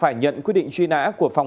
hộ khẩu thương chú tại tổ năm mươi chín